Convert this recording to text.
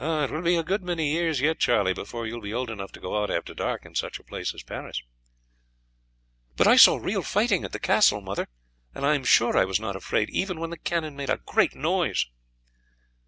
"It will be a good many years yet, Charlie, before you will be old enough to go out after dark in such a place as Paris." "But I saw real fighting at the castle, mother, and I am sure I was not afraid even when the cannon made a great noise."